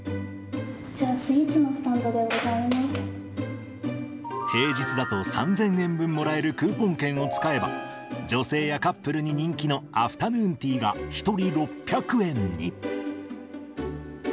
こちら、スイーツのスタンド平日だと３０００円分もらえるクーポン券を使えば、女性やカップルに人気のアフタヌーンティーが１人６００円に。